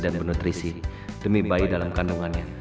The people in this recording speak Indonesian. dan bernutrisi demi bayi dalam kandungannya